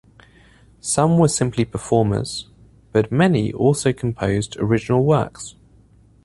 Some were simply performers, but many also composed original works.